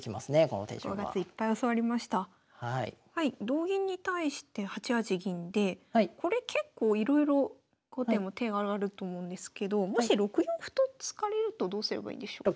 同銀に対して８八銀でこれ結構いろいろ後手も手があると思うんですけどもし６四歩と突かれるとどうすればいいんでしょう？